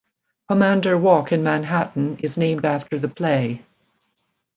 Pomander Walk in Manhattan is named after the play.